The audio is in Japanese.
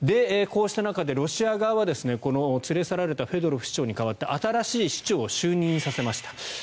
こうした中でロシア側は連れ去られたフェドロフ市長に代わって新しい市長を就任させました。